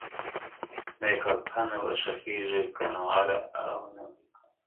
بې کفنه به ښخېږې، که نعره وا نه ورې قامه.